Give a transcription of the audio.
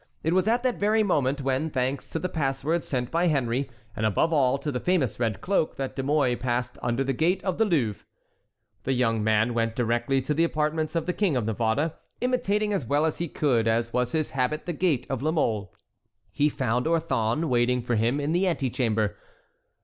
It was at that very moment when, thanks to the password sent by Henry, and above all to the famous red cloak, that De Mouy passed under the gate of the Louvre. The young man went directly to the apartments of the King of Navarre, imitating as well as he could, as was his habit, the gait of La Mole. He found Orthon waiting for him in the antechamber.